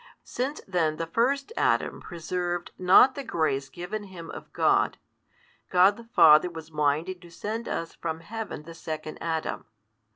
Since then the first Adam preserved not the grace given him of God, God the Father was minded to send us from Heaven the second Adam.